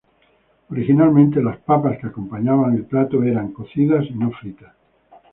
Originalmente las papas que acompañaban el plato eran cocidas y no fritas.